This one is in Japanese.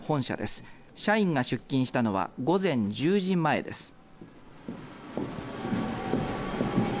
社員が出勤したのは午前１０時前です。